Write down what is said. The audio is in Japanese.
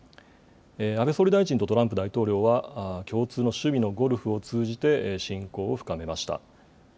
安倍総理大臣とトランプ大統領は、共通の趣味のゴルフを通じて親交を深めました。